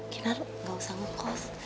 kinar gak usah ngekos